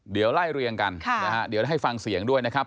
เดี๋ยวไล่เรียงกันนะฮะเดี๋ยวให้ฟังเสียงด้วยนะครับ